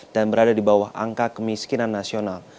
dan berada di bawah angka kemiskinan nasional